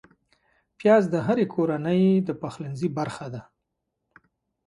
پیاز د هرې کورنۍ پخلنځي برخه ده